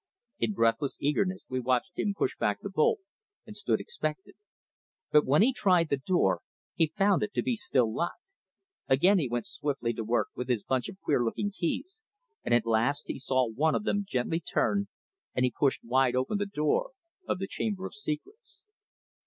In breathless eagerness we watched him push back the bolt, and stood expectant; but when he tried the door he found it to be still locked. Again he went swiftly to work with his bunch of queer looking keys, and at last he saw one of them gently turn, and he pushed wide open the door of the chamber of secrets.